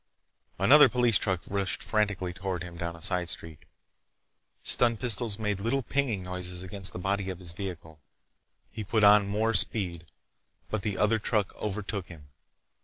Another police truck rushed frantically toward him down a side street. Stun pistols made little pinging noises against the body of his vehicle. He put on more speed, but the other truck overtook him.